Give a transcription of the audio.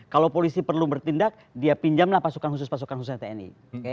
kalau polisi perlu bertindak dia pinjamlah pasukan khusus pasukan khususnya tni